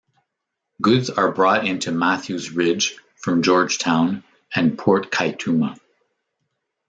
Goods are brought into Matthews Ridge from Georgetown, and Port Kaituma.